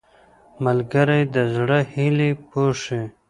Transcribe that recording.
ملګری د زړه هیلې پوښي